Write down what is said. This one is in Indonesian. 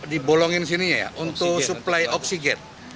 yang dibolongin sini ya untuk supply oksigen